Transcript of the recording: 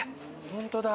本当だ。